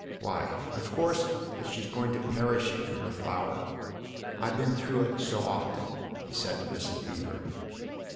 " Why, of course, that she's going to perish in her flower. I've been through it so often !" he said to Mrs. Beever.